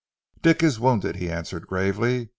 "Dick is wounded," he answered gravely.